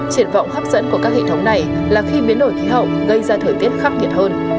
triển vọng hấp dẫn của các hệ thống này là khi biến đổi khí hậu gây ra thời tiết khắc nghiệt hơn